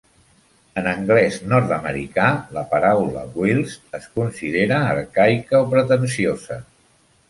En anglès nord-americà, la paraula "whilst" es considera arcaica o pretensiosa.